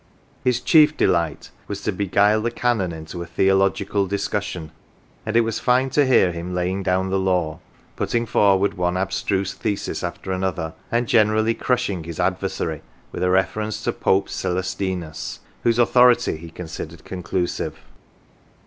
His chief delight was to beguile the Canon into a theological discussion, and it was fine to hear him laying down the law, putting forward one abstruse thesis after another, and generally crushing his adversary with a reference to "Pope Celestinus," whose authority he considered conclusive.